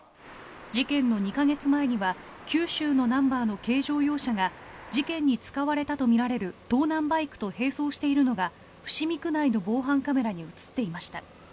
事件の２か月前には九州のナンバーの軽乗用車が事件に使われたとみられる盗難バイクと並走しているのが伏見区内の防犯カメラに映っていました。